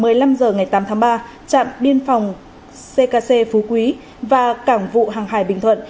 đến giờ ngày tám tháng ba trạm biên phòng ckc phú quý và cảng vụ hàng hải bình thuận